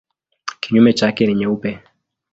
Kinyume chake ni nyeupe.